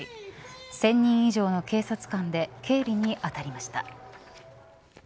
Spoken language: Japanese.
１０００人以上の警察官で警備に当たりました。